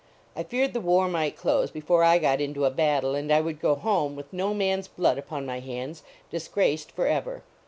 I feared the war might close before I got into a battle, and I would go home, with no man s blood upon my hands, disgraced for ever.